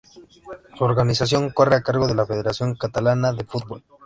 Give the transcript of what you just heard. Su organización corre a cargo de la Federación Catalana de Fútbol.